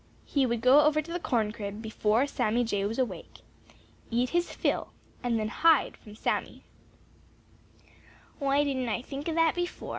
He would go over to the corn crib before Sammy Jay was awake, eat his fill, and then hide from Sammy. "Why didn't I think of that before?"